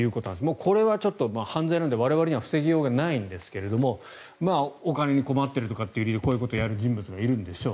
これは犯罪なので我々には防ぎようがないんですがお金に困っているとかって理由でこういうことをやる人物がいるんでしょう。